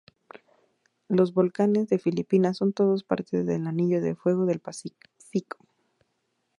Los volcanes de Filipinas son todos parte del anillo de fuego del Pacífico.